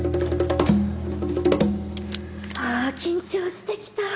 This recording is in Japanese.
あぁ緊張してきた。